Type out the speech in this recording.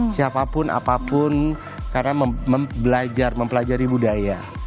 siapapun apapun karena belajar mempelajari budaya